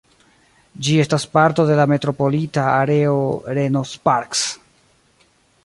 Ĝi estas parto de la metropolita areo Reno–Sparks.